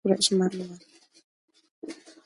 He played varsity every year except his freshman one.